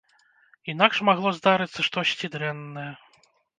Інакш магло здарыцца штосьці дрэннае.